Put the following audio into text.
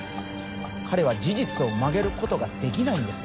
彼は事実を曲げることができないんです